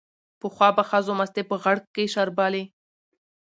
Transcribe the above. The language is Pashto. پخوا به ښځو مستې په غړګ کې شربلې